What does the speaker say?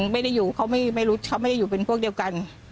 ไม่ได้อยู่เขาไม่รู้เขาไม่ได้อยู่เป็นพวกเดียวกัน